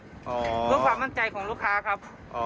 เพื่อความมั่นใจของลูกค้าครับ